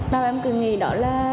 tao em cứ nghĩ đó là